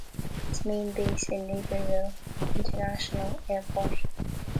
Its main base is Libreville International Airport.